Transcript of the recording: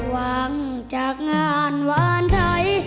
หวังจากงานหวานไทย